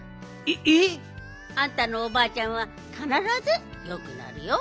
えっ！？あんたのおばあちゃんはかならずよくなるよ。